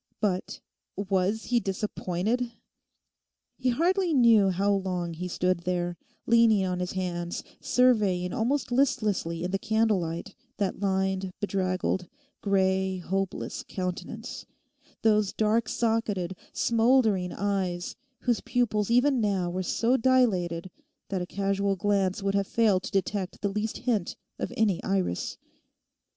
But—was he disappointed! He hardly knew how long he stood there, leaning on his hands, surveying almost listlessly in the candle light that lined, bedraggled, grey, hopeless countenance, those dark socketed, smouldering eyes, whose pupils even now were so dilated that a casual glance would have failed to detect the least hint of any iris.